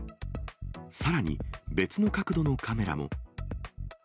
さらに、別の角度のカメラも。